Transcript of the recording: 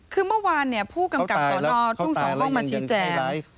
คือเมื่อวานเนี่ยผู้กำกับสอนอทุกสองเข้ามาชี้แจง